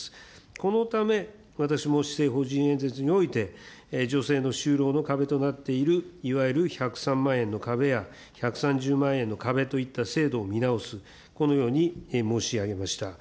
このため、私も施政方針演説において、女性の就労の壁となっている、いわゆる１０３万円の壁や１３０万円の壁といった制度を見直す、このように申し上げました。